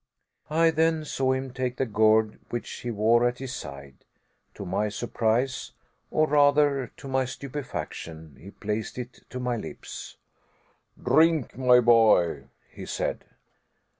I then saw him take the gourd which he wore at his side. To my surprise, or rather to my stupefaction, he placed it to my lips. "Drink, my boy," he said.